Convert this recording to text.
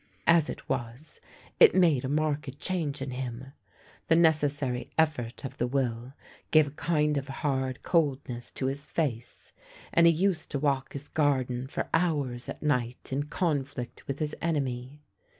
As it was, it made a marked change in him. The necessary effort of the will gave a kind of hard coldness to his face, and he used to walk his garden for hours at night in conflict with his enemy.